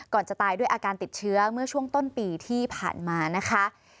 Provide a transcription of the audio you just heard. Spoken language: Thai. จะตายด้วยอาการติดเชื้อเมื่อช่วงต้นปีที่ผ่านมานะคะ